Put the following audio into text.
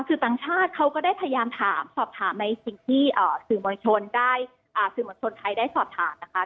สื่อต่างชาติเขาก็ได้พยายามถามสอบถามในสิ่งที่สื่อมวลชนได้สื่อมวลชนไทยได้สอบถามนะคะ